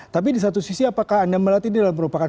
tapi di satu sisi apakah anda melihat ini adalah merupakan